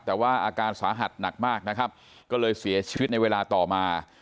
แต่ว่าอาการสาหัสหนักมากนะครับก็เลยเสียชีวิตในเวลาต่อมา